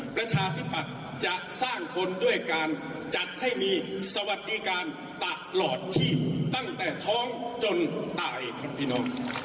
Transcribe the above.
ประชาธิบัติจะสร้างทริปด้วยการจัดให้มีสวทดีกรรมตลอดชีพ